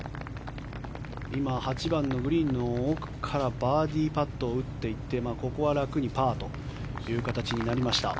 今、８番のグリーンの奥からバーディーパットを打っていってここは楽にパーという形になりました。